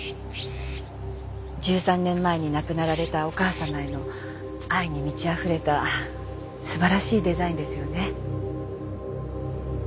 １３年前に亡くなられたお母様への愛に満ちあふれた素晴らしいデザインですよね。